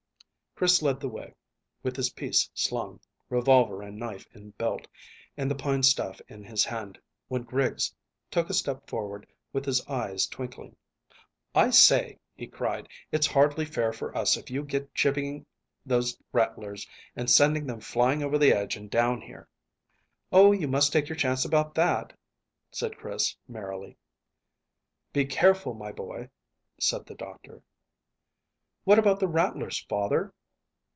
Chris led the way, with his piece slung, revolver and knife in belt, and the pine staff in his hand, when Griggs took a step forward, with his eyes twinkling. "I say," he cried, "it's hardly fair for us if you get chivvying those rattlers and sending them flying over the edge and down here." "Oh, you must take your chance about that," said Chris merrily. "Be careful, my boy," said the doctor. "What, about the rattlers, father?"